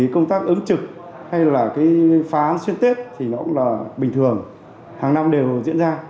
công tác ứng trực hay phá án xuyên tết cũng bình thường hàng năm đều diễn ra